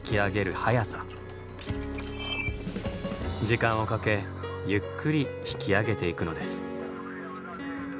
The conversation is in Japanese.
時間をかけゆっくり引き上げていくのです。